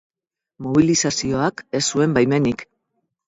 Mobilizazioak ez zuen baimenik.